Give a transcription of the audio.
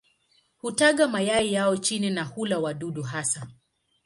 Hutaga mayai yao chini na hula wadudu hasa.